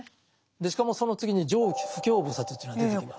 でしかもその次に「常不軽菩薩」というのが出てきます。